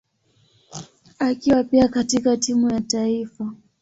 akiwa pia katika timu ya taifa.